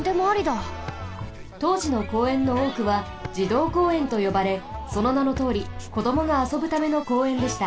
とうじの公園のおおくは児童公園とよばれそのなのとおりこどもがあそぶための公園でした。